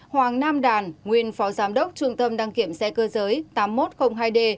hoàng nam đàn nguyên phó giám đốc trung tâm đăng kiểm xe cơ giới tám nghìn một trăm linh hai d